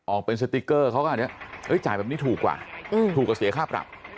ออกเป็นสติ๊กเกอร์เขาก็อันนี้จ่ายแบบนี้ถูกกว่าถูกกว่าเสียค่าปรับ